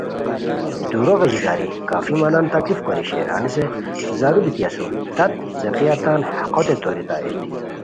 دُورو غیژی گاری کافی مہ نانو تکلیف کوری شیر ہنیسے زارو بیتی اسور تت څیقیہ تان حقوت توریتائے